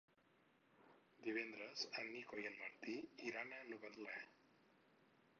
Divendres en Nico i en Martí iran a Novetlè.